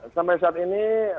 sampai saat ini